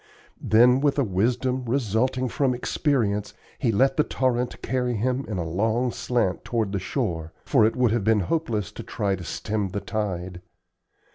Then, with a wisdom resulting from experience, he let the torrent carry him in a long slant toward the shore, for it would have been hopeless to try to stem the tide.